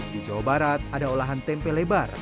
di jawa barat ada olahan tempe lebar